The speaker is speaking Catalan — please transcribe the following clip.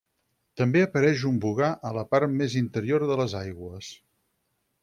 També apareix un bogar a la part més interior de les aigües.